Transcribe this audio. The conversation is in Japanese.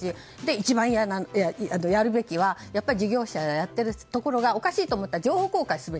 一番やるべきは事業者、やっているところがおかしいと思ったら情報公開する。